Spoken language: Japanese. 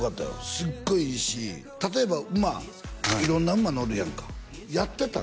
すっごいいいし例えば馬色んな馬乗るやんかやってたん？